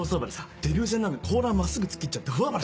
デビュー戦でコーナー真っすぐ突っ切っちゃって大暴れ。